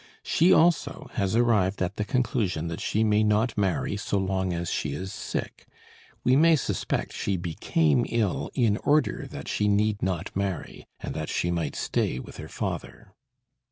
She also has arrived at the conclusion that she may not marry so long as she is sick. We may suspect she became ill in order that she need not marry, and that she might stay with her father.